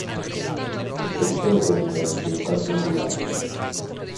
Il territorio è pianeggiante e in parte ondulato.